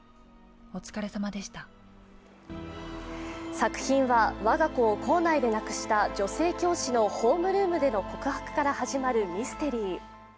作品は、我が子を校内で亡くした女性教師のホームルームでの告白から始まるミステリー。